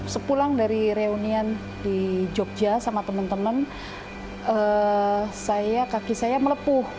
sepulang dari reunian di jogja sama teman teman saya kaki saya melepuh